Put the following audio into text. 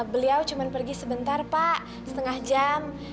beliau cuma pergi sebentar pak setengah jam